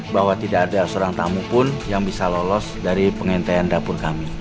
bahwa tidak ada seorang tamu pun yang bisa lolos dari pengintean dapur kami